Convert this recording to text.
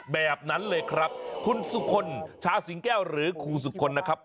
แบบนั้นเลยครับคุณสุคลชาสิงแก้วหรือครูสุคลนะครับ